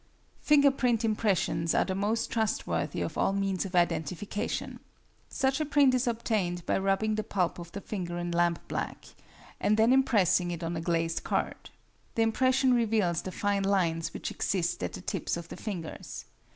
Finger print impressions are the most trustworthy of all means of identification. Such a print is obtained by rubbing the pulp of the finger in lampblack, and then impressing it on a glazed card. The impression reveals the fine lines which exist at the tips of the fingers.